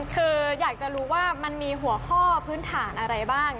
คืออยากจะรู้ว่ามันมีหัวข้อพื้นฐานอะไรบ้าง